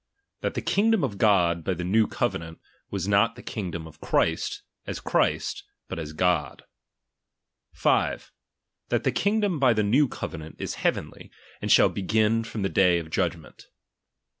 That the kingdom of God by the new covenant, was not the kingdom of Christ, as Christ, but aa God. 5, That the kingdom by the new covenant is heavenly, and shall begin from the day of judgment.